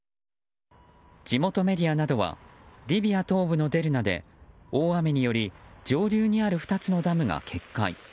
地元メディアなどはリビア東部のデルナで大雨により上流にある２つのダムが決壊。